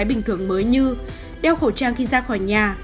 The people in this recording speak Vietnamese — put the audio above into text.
bình thường mới như đeo khẩu trang khi ra khỏi nhà